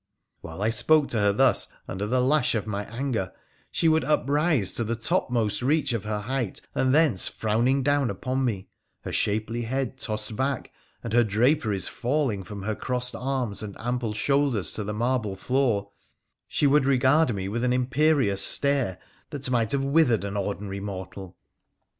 ' When I spoke to her thus under the lash of my anger, she would uprise to the topmost reach of her height, and thence frowning down upon me, her shapely head tossed back, and her draperies falling from her crossed arms and ample shoulders to the marble floor, she would regard me with an imperious stare that might have withered an ordinary mortal.